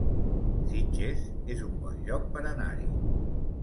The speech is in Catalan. Sitges es un bon lloc per anar-hi